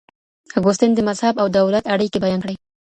اګوستين د مذهب او دولت اړيکي بيان کړې.